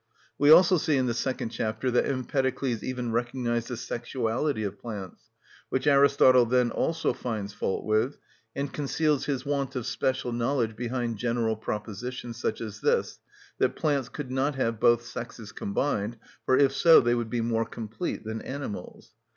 We also see, in the second chapter, that Empedocles even recognised the sexuality of plants; which Aristotle then also finds fault with, and conceals his want of special knowledge behind general propositions, such as this, that plants could not have both sexes combined, for if so they would be more complete than animals.